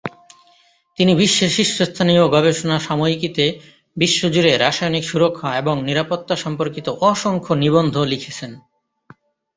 তিনি বিশ্বের শীর্ষস্থানীয় গবেষণা সাময়িকীতে বিশ্বজুড়ে রাসায়নিক সুরক্ষা এবং নিরাপত্তা সম্পর্কিত অসংখ্য নিবন্ধ লিখেছেন।